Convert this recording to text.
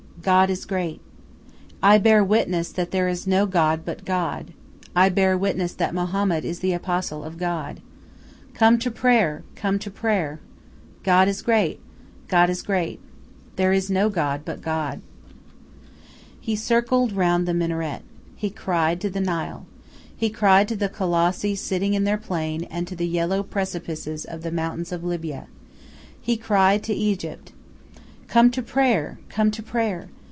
God is great ... I bear witness that there is no god but God. ... I bear witness that Mohammed is the Apostle of God. ... Come to prayer! Come to prayer! ... God is great. God is great. There is no god but God." He circled round the minaret. He cried to the Nile. He cried to the Colossi sitting in their plain, and to the yellow precipices of the mountains of Libya. He cried to Egypt: "Come to prayer! Come to prayer!